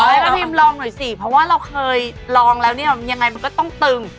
เออให้ป้าพิมลองหน่อยสิเพราะว่าเราเคยลองแล้วยังไงมันก็ต้องตึง